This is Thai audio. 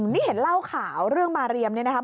นี่เห็นเล่าข่าวเรื่องมาเรียมเนี่ยนะครับ